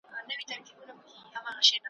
په څو څو ځله تېر سوم `